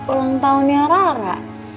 ulang tahunnya rara